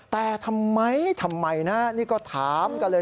แต่ทำไมทำไมนะนี่ก็ถามกันเลย